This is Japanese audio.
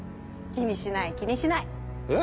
気にしない気にしない。え？